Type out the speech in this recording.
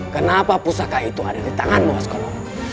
kenapa pusaka itu ada di tanganmu waskolo